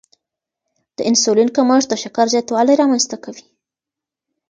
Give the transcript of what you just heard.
د انسولین کمښت د شکر زیاتوالی رامنځته کوي.